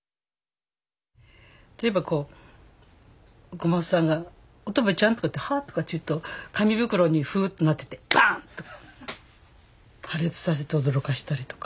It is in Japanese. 例えば小松さんが「乙部ちゃん」「は？」とかって言うと紙袋にフーッてなっててバン！って破裂させて驚かせたりとか。